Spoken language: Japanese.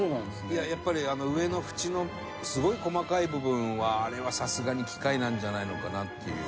いややっぱり上のフチのすごい細かい部分はあれはさすがに機械なんじゃないのかなっていう。